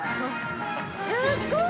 ◆すっごーい。